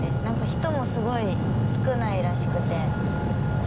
人もすごい少ないらしくて。